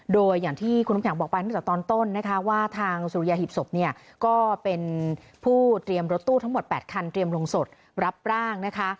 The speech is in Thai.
โดยอย่างที่คุณน้ำแข็งบอกไปตั้งแต่ตอนต้นนะคะว่าทางสุริยาหีบศพเนี่ยก็เป็นผู้เตรียมรถตู้ทั้งหมด๘คันเตรียมลงศพรับร่างนะคะ